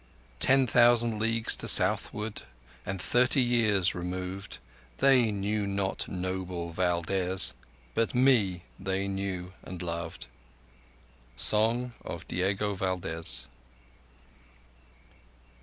Ten thousand leagues to southward, And thirty years removed— They knew not noble Valdez, But me they knew and loved. _Song of Diego Valdez.